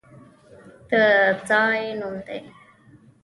د ځای نوم دی!